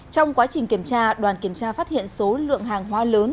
trong quá trình kiểm tra đoàn kiểm tra phát hiện số lượng hàng hóa lớn